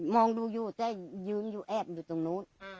มองดูอยู่แต่ยืนอยู่แอบอยู่ตรงนู้น